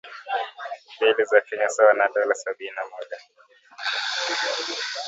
mbili za Kenya sawa na dola sabini na moja